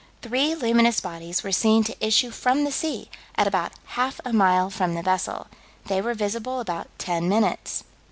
three luminous bodies were seen to issue from the sea, at about half a mile from the vessel. They were visible about ten minutes.